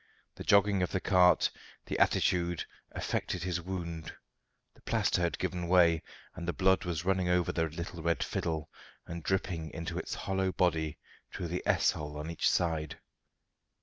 The jogging of the cart, the attitude, affected his wound; the plaster had given way, and the blood was running over the little red fiddle and dripping into its hollow body through the S hole on each side.